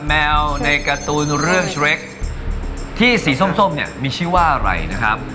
แมวในการ์ตูนเรื่องเทรคที่สีส้มเนี่ยมีชื่อว่าอะไรนะครับ